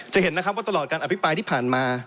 จะเห็นนะครับว่าตลอดการอภิปรายที่ผ่านมา